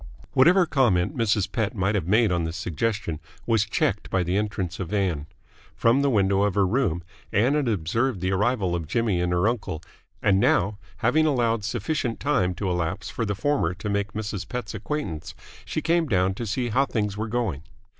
Whatever comment Mrs. Pett might have made on this suggestion was checked by the entrance of Ann. From the window of her room Ann had observed the arrival of Jimmy and her uncle, and now, having allowed sufficient time to elapse for the former to make Mrs. Pett's acquaintance, she came down to see how things were going.